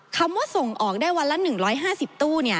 คำว่าส่งออกได้วันละ๑๕๐ตู้